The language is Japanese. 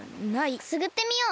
くすぐってみよう。